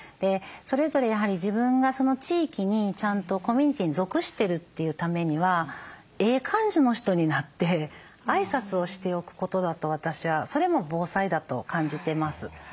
それぞれやはり自分がその地域にちゃんとコミュニティーに属してるというためにはええ感じの人になって挨拶をしておくことだと私はそれも防災だと感じてます。